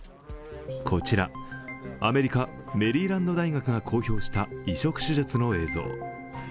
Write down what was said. こちら、アメリカ・メリーランド大学が公表した移植手術の映像。